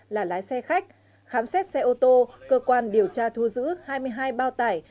là lái xe khách khám xét xe ô tô cơ quan điều tra thu giữ hai mươi hai bao tải